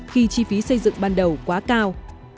khi chi phí xây dựng ban đầu quá cao